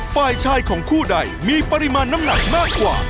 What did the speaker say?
ฝ่ายชายของคู่ใดมีปริมาณน้ำหนักมากกว่า